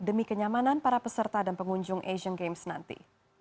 demi kenyamanan para peserta dan pengunjung asian games nanti